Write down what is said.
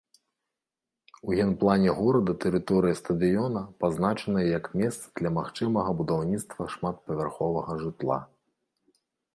У генплане горада тэрыторыя стадыёна пазначаная як месца для магчымага будаўніцтва шматпавярховага жытла.